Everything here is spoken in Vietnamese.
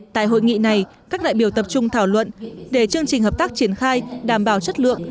tại hội nghị này các đại biểu tập trung thảo luận để chương trình hợp tác triển khai đảm bảo chất lượng